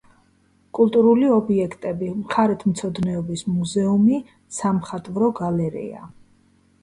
კულტურული ობიექტები: მხარეთმცოდნეობის მუზეუმი, სამხატვრო გალერეა.